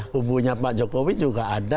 kubunya pak jokowi juga ada